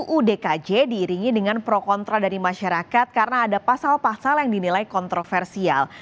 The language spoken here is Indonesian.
uudkj diiringi dengan pro kontra dari masyarakat karena ada pasal pasal yang dinilai kontroversial